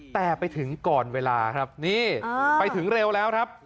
แต่ไปถึงก่อนเวลาครับนี่ไปถึงเร็วแล้วครับ